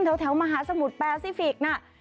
แถวมหาสมุทรแปซิฟิกสน่ะ